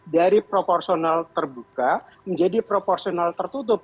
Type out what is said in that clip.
dari proporsional terbuka menjadi proporsional tertutup